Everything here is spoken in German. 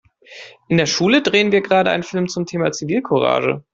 In der Schule drehen wir gerade einen Film zum Thema Zivilcourage.